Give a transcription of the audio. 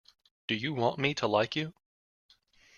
Do you want me to like you?